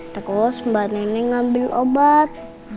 terus mbak neneng ngambil obat